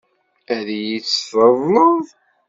Ad iyi-tt-tṛeḍleḍ?